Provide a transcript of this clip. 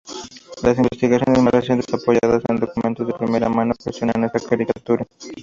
Las investigaciones más recientes apoyadas en documentos de primera mano cuestionan esta caricatura".